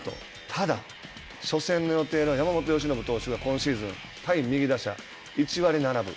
ただ、初戦の予定の山本由伸投手が今シーズン、対右打者１割７分。